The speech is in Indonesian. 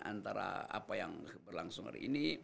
antara apa yang berlangsung hari ini